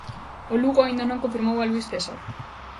O Lugo aínda non confirmou a Luís Cesar.